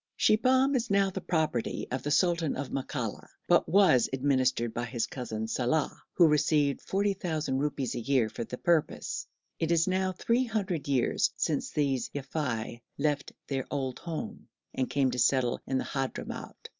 Shibahm is now the property of the sultan of Makalla, but was administered by his cousin Salàh, who received 40,000 rupees a year for the purpose. It is now three hundred years since these Yafei left their old home and came to settle in the Hadhramout.